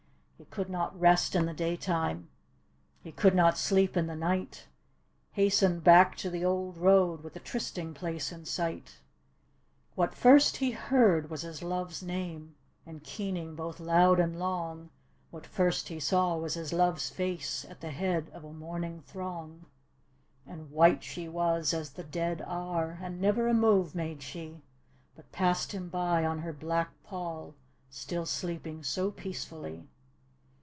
He could not rest in the daytime, He could not sleep in the night, Hastened back to the old road, With the trysting place in sighL What first he heard was his love's name, And keening both loud and long; What first he saw was his love's face At the head of a mourning throng. D,gt,, erihyGOOgle The BaiuhK 183 And white she was as the dead are, And never a move made she. But passed him by on her black pall, Still sleeping so peacefully.